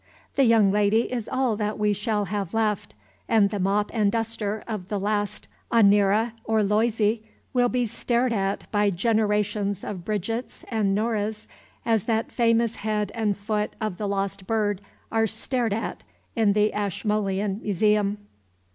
The young lady is all that we shall have left, and the mop and duster of the last Ahnira or Loizy will be stared at by generations of Bridgets and Noras as that famous head and foot of the lost bird are stared at in the Ashmolean Museum.